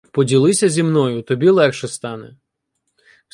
Поділися зі мною — тобі легше стане.